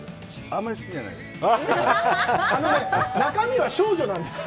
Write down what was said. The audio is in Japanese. あんまり好きじゃないんです。